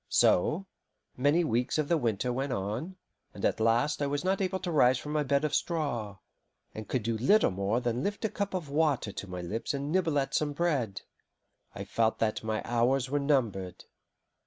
So, many weeks of the winter went on, and at last I was not able to rise from my bed of straw, and could do little more than lift a cup of water to my lips and nibble at some bread. I felt that my hours were numbered.